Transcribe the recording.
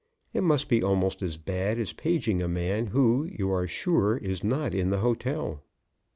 It must be almost as bad as paging a man who you are sure is not in the hotel.